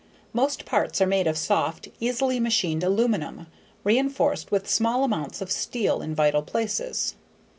Most parts are made of soft, easily machined aluminum, reinforced with small amounts of steel in vital places.